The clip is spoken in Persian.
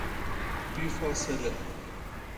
بی فاصله